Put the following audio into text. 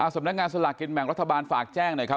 สำนักงานสลากกินแบ่งรัฐบาลฝากแจ้งหน่อยครับ